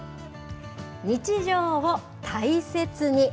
日常を大切に。